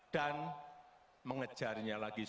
dan mengejarnya lagi